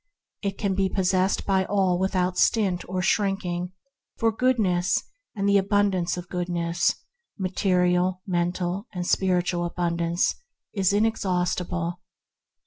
It can be possessed by all without stint or shrinking, for Goodness, and the abundance of Good ness—material, mental, and spiritual abun dance—is inexhaustible.